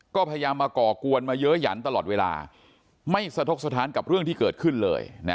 ก็พยายามมาก่อกวนมาเยอะหยันตลอดเวลาไม่สะทกสถานกับเรื่องที่เกิดขึ้นเลย